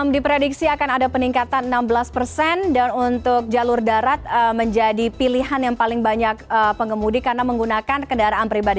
diprediksi akan ada peningkatan enam belas persen dan untuk jalur darat menjadi pilihan yang paling banyak pengemudi karena menggunakan kendaraan pribadi